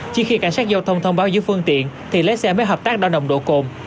chỉ khi cảnh sát giao thông thông báo dưới phương tiện thì lái xe mới hợp tác đo nồng độ cồn